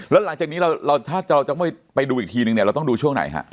แล้วหลังจากนี้ถ้าเราจะไม่ไปดูอีกทีนึงเนี่ยเราต้องดูช่วงไหนฮะ